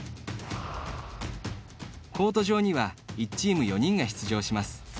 コート上には１チーム４人が出場します。